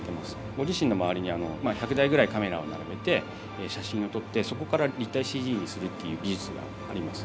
ご自身の周りに１００台ぐらいカメラを並べて写真を撮ってそこから立体ＣＧにするという技術があります。